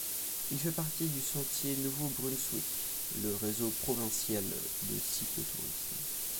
Il fait partie du sentier Nouveau-Brunswick, le réseau provincial de cyclotourisme.